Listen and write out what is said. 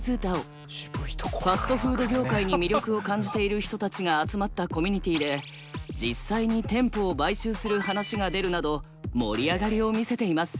ファストフード業界に魅力を感じている人たちが集まったコミュニティで実際に店舗を買収する話が出るなど盛り上がりを見せています。